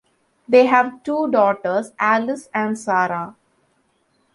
They have two daughters, Alice and Sarah.